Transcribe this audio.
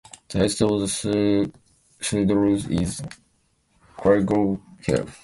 The highest of the Sidlaws is Craigowl Hill.